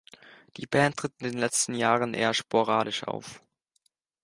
Die Band tritt in den letzten Jahren eher sporadisch auf.